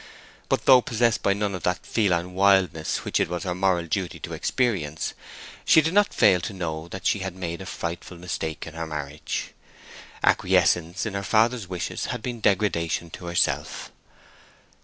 But though possessed by none of that feline wildness which it was her moral duty to experience, she did not fail to know that she had made a frightful mistake in her marriage. Acquiescence in her father's wishes had been degradation to herself.